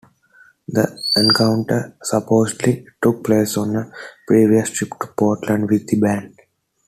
The encounter supposedly took place on a previous trip to Portland with the band.